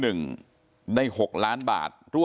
แม่น้องชมพู่แม่น้องชมพู่